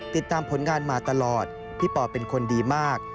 ติดตามผลงานมาตลอดพี่ปอเป็นคนดีมาก